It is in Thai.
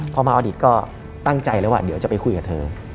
พอมาอดีตก็ตั้งใจแล้วว่าเดี๋ยวจะไปคุยกับเธอ